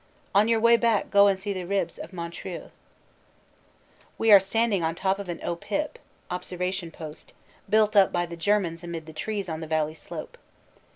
On your way back go and see the ribs of Montreuil." We are standing on top of an "O Pip" (observation post), built up by the Germans amid the trees on the valley slope.